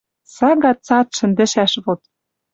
Сага цат шӹндӹшӓш вот...»